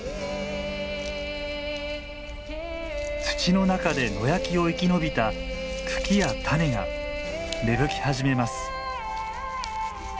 土の中で野焼きを生き延びた茎や種が芽吹き始めます。